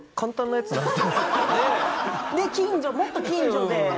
近所もっと近所で。